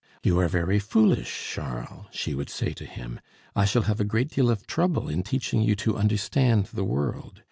"You are very foolish, Charles," she would say to him. "I shall have a great deal of trouble in teaching you to understand the world.